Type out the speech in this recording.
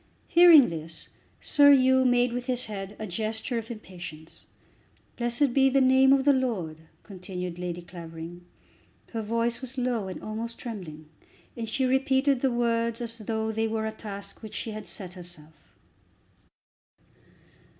Hearing this Sir Hugh made with his head a gesture of impatience. "Blessed be the name of the Lord," continued Lady Clavering. Her voice was low and almost trembling, and she repeated the words as though they were a task which she had set herself.